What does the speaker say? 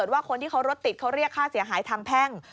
ว่าคนที่เขารถติดเขาเรียกค่าเสียหายทางแพ่ง